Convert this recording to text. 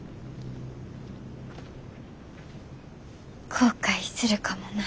後悔するかもな。